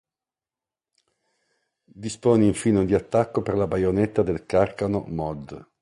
Dispone infine di attacco per la baionetta del Carcano Mod.